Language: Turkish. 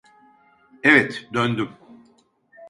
Evet, döndüm.